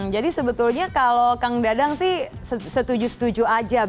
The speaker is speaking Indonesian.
jadi sebetulnya kalau kang dadang sih setuju setuju saja